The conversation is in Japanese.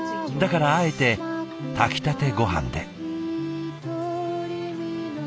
だからあえて炊きたてごはんで。